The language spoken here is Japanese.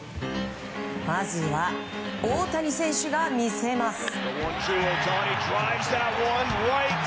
まずは、大谷選手が魅せます。